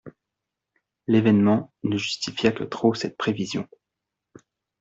L'événement ne justifia que trop cette prévision.